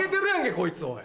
こいつおい。